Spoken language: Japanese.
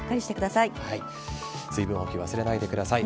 水分補給、忘れないでください。